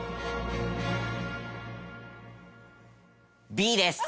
Ｂです。